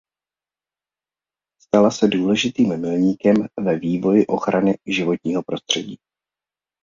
Stala se důležitým milníkem ve vývoji ochrany životního prostředí.